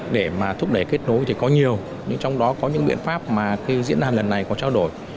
để mà thúc đẩy kết nối thì có nhiều nhưng trong đó có những biện pháp mà khi diễn đàn lần này có trao đổi